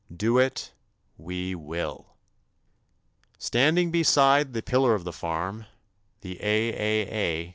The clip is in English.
Do it, we will. Standing beside the pillar of the farm the A.